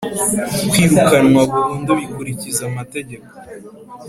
Kwirukanwa burundu bikurikiza amategeko.